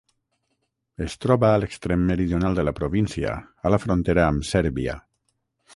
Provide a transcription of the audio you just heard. Es troba a l'extrem meridional de la província, a la frontera amb Sèrbia.